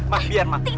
mbak biar mbak